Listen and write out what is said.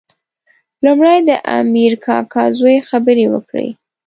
لومړی د امیر کاکا زوی خبرې وکړې.